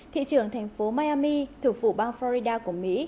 thị trưởng thành phố miami thủ phủ bang florida của mỹ